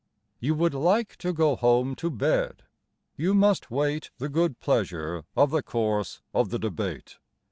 You would like to go home to bed; You must wait the good pleasure of the course of the debate.